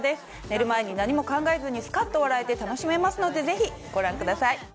寝る前に何も考えずにスカッと笑えて楽しめますのでぜひご覧ください。